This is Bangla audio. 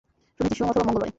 শুনেছি সোম অথবা মঙ্গলবারে।